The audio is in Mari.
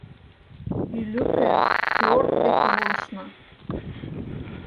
Ӱлыкӧ, фиорд деке, волышна.